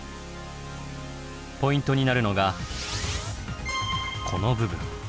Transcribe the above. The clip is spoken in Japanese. ポイントになるのがこの部分。